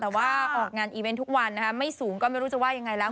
แต่ว่าออกงานทุกวันไม่สูงก็ไม่รู้จะว่ายังไงกันแล้ว